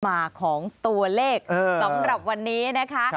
มาของตัวเลขสำหรับวันนี้นะคะ